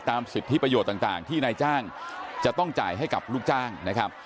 สิทธิประโยชน์ต่างที่นายจ้างจะต้องจ่ายให้กับลูกจ้างนะครับ